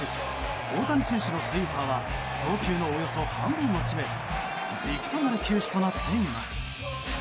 大谷選手のスイーパーは投球のおよそ半分を占め軸となる球種となっています。